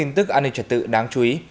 tin tức an ninh trật tự đáng chú ý